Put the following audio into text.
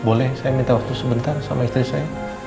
boleh saya minta waktu sebentar sama istri saya